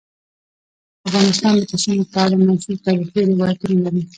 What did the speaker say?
افغانستان د پسونو په اړه مشهور تاریخي روایتونه لري.